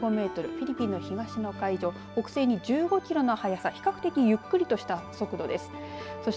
フィリピンの東の海上北西に１５キロの速さ比較的ゆっくりとした速度です。